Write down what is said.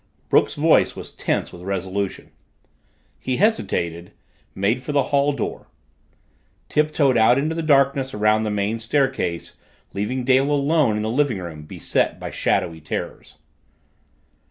Brooks's voice was tense with resolution. He hesitated made for the hall door tiptoed out into the darkness around the main staircase, leaving Dale alone in the living room beset by shadowy terrors.